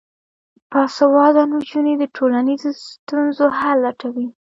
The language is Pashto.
باسواده نجونې د ټولنیزو ستونزو حل لټوي.